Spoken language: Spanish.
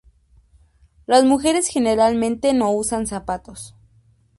Las mujeres generalmente no usan zapatos.